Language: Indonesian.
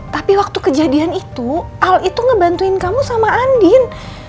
tapi waktu kejadian itu al itu ngebantuin kamu sama andin